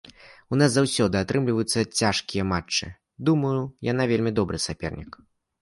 У нас заўсёды атрымліваюцца цяжкія матчы, думаю, яна вельмі добры сапернік.